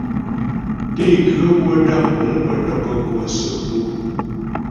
Teguə wə́ dəm guŋ pə́ dɔkɔ́ kɔ səku.